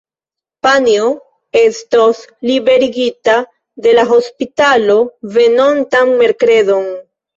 Panjo estos liberigita de la hospitalo venontan merkredon.